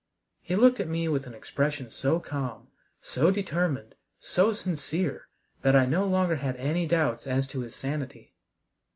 He looked at me with an expression so calm, so determined, so sincere, that I no longer had any doubts as to his sanity.